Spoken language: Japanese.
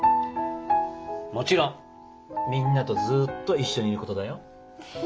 もちろんみんなとずっと一緒にいることだよ。